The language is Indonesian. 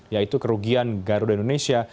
yaitu kerugian garuda indonesia